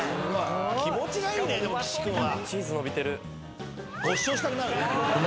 気持ちがいいねでも岸君は。